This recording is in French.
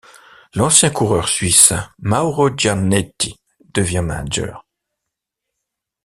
L'ancien coureur suisse Mauro Gianetti devient manager.